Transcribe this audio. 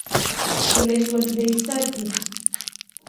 هیله ژوندۍ ساتئ.